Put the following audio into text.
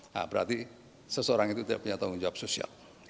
nah berarti seseorang itu tidak punya tanggung jawab sosial